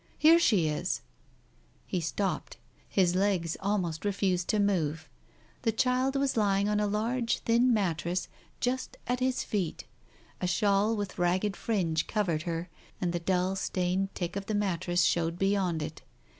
... Here she is !" He stopped. His legs almost refused to move. The child was lying on a large thin mattress just at his feet. A shawl with ragged fringe covered her, and the dull stained tick of the mattress showed beyond it.